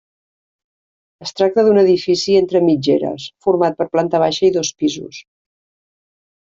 Es tracta d'un edifici entre mitgeres format per planta baixa i dos pisos.